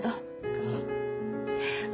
ああ。